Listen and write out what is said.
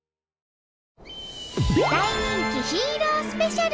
大人気ヒーロースペシャル！